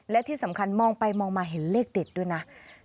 และที่สำคัญมองไปมองมาเห็นเลขติดด้วยนะ